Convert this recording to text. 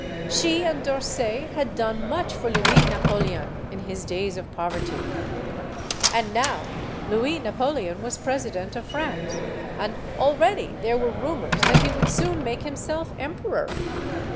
She and D'Orsay had done much for Louis Na polean in his days of poverty. And now Louis Napo leon was President of France, and already there were rumors that he would soon make himself emperor.